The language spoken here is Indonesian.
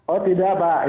oh tidak pak